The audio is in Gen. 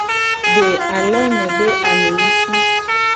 De alome le ame nguti.